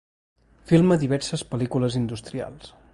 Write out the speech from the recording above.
Filma diverses pel·lícules industrials.